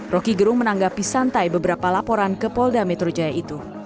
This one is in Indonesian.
roky gerung menanggapi santai beberapa laporan ke polda metro jaya itu